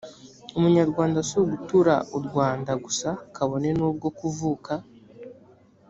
umunyarwanda si ugutura u rwanda gusa kabone n ubwo kuvuka